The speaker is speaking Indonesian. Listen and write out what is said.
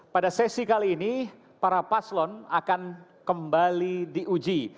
pada sesi kali ini para paslon akan kembali diuji